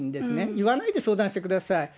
言わないで相談してください。